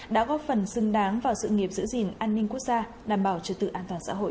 đã góp phần xứng đáng vào sự nghiệp giữ gìn an ninh quốc gia đảm bảo trật tự an toàn xã hội